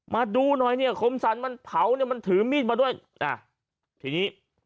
มาดูหน่อยเนี่ยคมสรรมันเผาเนี่ยมันถือมีดมาด้วยอ่ะทีนี้